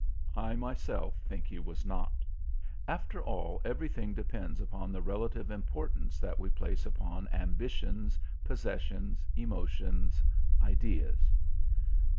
I myself think he was not. After all, everything depends upon the relative importance that we place upon ambitions, possessions, emotions, ideas.